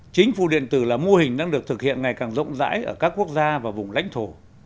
chính phủ điện tử là mô hình đang được thực hiện ngày càng rộng rãi ở các quốc gia và vùng lãnh thổ